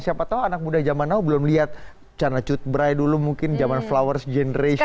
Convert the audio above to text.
siapa tahu anak muda zaman now belum lihat channel cutbrai dulu mungkin zaman flowers generation